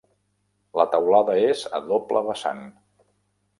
La teulada és a doble vessant.